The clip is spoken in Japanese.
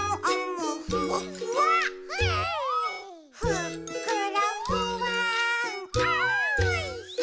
「ふっくらふわーんあ−おいしい！」